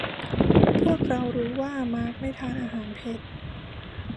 พวกเรารู้ว่ามาร์คไม่ทานอาหารเผ็ด